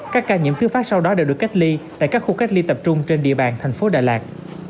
các ca nhiễm tứ phát sau đó đều được cách ly tại các khu cách ly tập trung trên địa bàn thành phố đà lạt